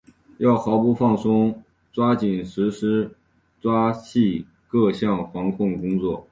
要毫不放松抓紧抓实抓细各项防控工作